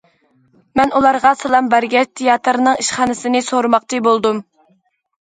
مەن ئۇلارغا سالام بەرگەچ، تىياتىرنىڭ ئىشخانىسىنى سورىماقچى بولدۇم.